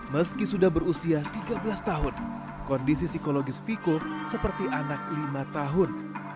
meski sudah berusia tiga belas tahun kondisi psikologis viko seperti anak lima tahun